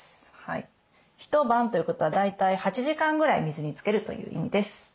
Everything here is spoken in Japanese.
一晩ということは大体８時間ぐらい水につけるという意味です。